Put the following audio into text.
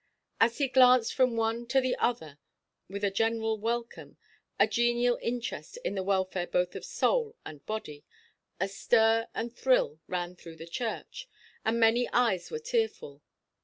As he glanced from one to the other with a general welcome, a genial interest in the welfare both of soul and body, a stir and thrill ran through the church, and many eyes were tearful.